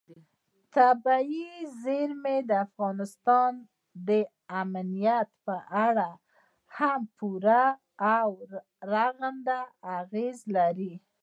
طبیعي زیرمې د افغانستان د امنیت په اړه هم پوره او رغنده اغېز لري.